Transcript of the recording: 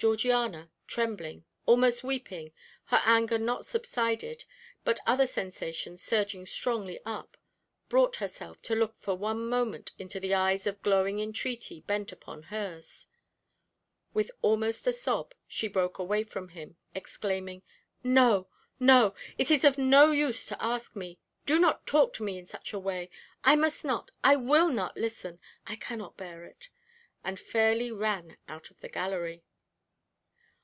Georgiana, trembling, almost weeping, her anger not subsided, but other sensations surging strongly up, brought herself to look for one moment into the eyes of glowing entreaty bent upon hers. With almost a sob, she broke away from him, exclaiming: "No, no; it is of no use to ask me. Do not talk to me in such a way I must not I will not listen I cannot bear it," and fairly ran out of the gallery.